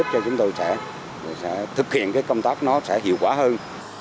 cho chúng tôi sẽ thực hiện cái công tác nó sẽ hiệu quả hơn